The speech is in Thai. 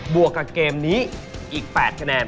วกกับเกมนี้อีก๘คะแนน